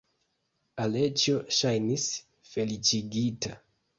Aleĉjo ŝajnis feliĉigita.